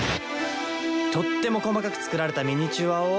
とっても細かく作られたミニチュアを。